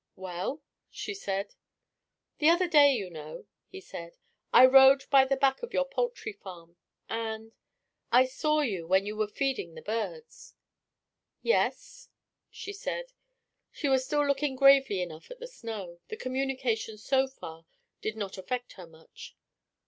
"Well?" she said. "The other day, you know," he said, "I rode by the back of your poultry farm, and I saw you when you were feeding the birds." "Yes?" she said; she was still looking gravely enough at the snow. The communication so far did not affect her much.